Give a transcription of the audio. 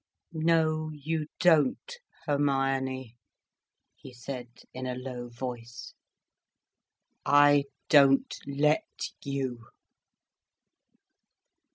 "No you don't, Hermione," he said in a low voice. "I don't let you."